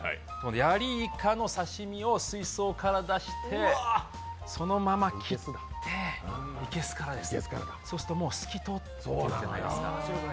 ヤリイカの刺身を水槽から出してそのまま切ってそうするともう、透き通ってるじゃないですか。